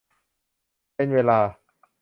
เป็นเวลา